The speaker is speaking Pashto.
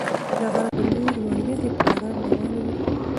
د غره په لور ورېځې په ارامه روانې وې.